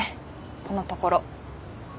このところ。